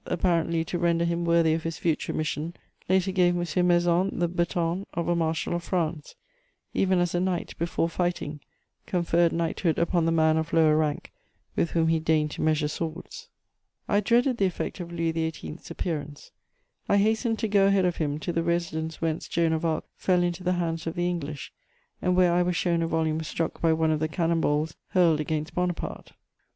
apparently to render him worthy of his future mission, later gave M. Maison the baton of a marshal of France, even as a knight, before fighting, conferred knighthood upon the man of lower rank with whom he deigned to measure swords. I dreaded the effect of Louis XVIII.'s appearance. I hastened to go ahead of him to the residence whence Joan of Arc fell into the hands of the English and where I was shown a volume struck by one of the cannon balls hurled against Bonaparte.